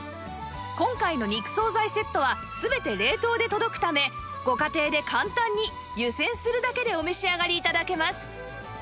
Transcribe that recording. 今回の肉惣菜セットは全て冷凍で届くためご家庭で簡単に湯せんするだけでお召し上がり頂けます